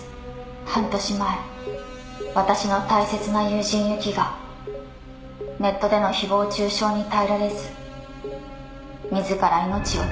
「半年前私の大切な友人ＹＵＫＩがネットでの誹謗中傷に耐えられず自ら命を絶ちました」